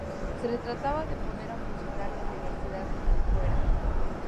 Se trataba de poner a funcionar la universidad como fuera.